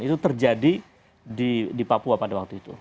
itu terjadi di papua pada waktu itu